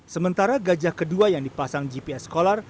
sementara gajah kedua yang dipasang gps kolar